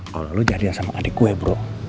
kalau lo jadilah sama adik gue bro